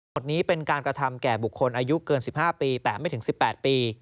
บทนี้เป็นการกระทำแก่บุคคลอายุเกิน๑๕ปีแต่ไม่ถึง๑๘ปี